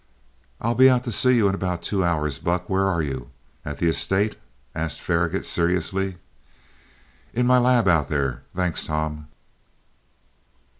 "I'll be out to see you in about two hours, Buck. Where are you? At the estate?" asked Faragaut seriously. "In my lab out there. Thanks, Tom."